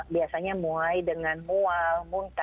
biasanya mulai dengan mual muntah